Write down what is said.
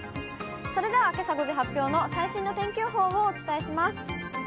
それではけさ５時発表の最新の天気予報をお伝えします。